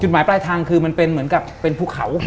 หมายปลายทางคือมันเป็นเหมือนกับเป็นภูเขา